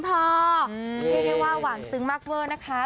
เรียกได้ว่าหวานซึ้งมากเวอร์นะคะ